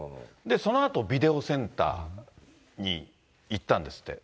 そのあとビデオセンターに行ったんですって。